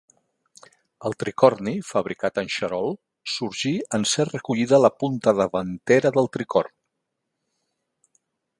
El tricorni, fabricat en xarol, sorgí en ser recollida la punta davantera del tricorn.